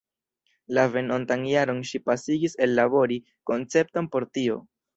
La venontan jaron ŝi pasigis ellabori koncepton por tio.